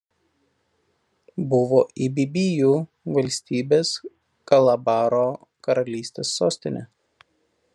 Buvo ibibijų valstybės Kalabaro karalystės sostinė.